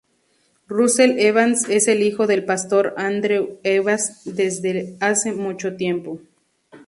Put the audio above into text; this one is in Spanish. Russell Evans es el hijo del pastor Andrew Evans desde hace mucho tiempo.